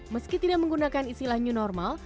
meski tidak menggunakan istilah new normal